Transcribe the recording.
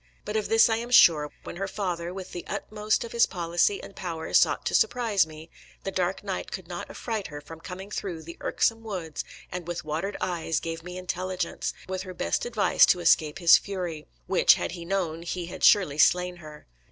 But of this I am sure, when her father, with the utmost of his policy and power sought to surprise me, the dark night could not affright her from coming through the irksome woods, and with watered eyes gave me intelligence, with her best advice to escape his fury; which had he known he had surely slain her.